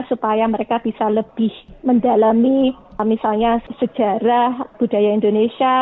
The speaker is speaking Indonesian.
supaya mereka bisa lebih mendalami misalnya sejarah budaya indonesia